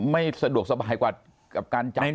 ไม่สะดวกสบายกว่าการจับกล้าออกไปดีกว่า